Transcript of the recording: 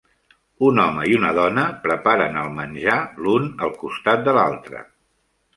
Un home i una dona preparen el menjar l'un al costat de l'altre.